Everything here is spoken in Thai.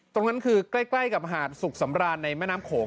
ตรงนั้นคือใกล้กับหาดสุขสำราญในแม่น้ำโขง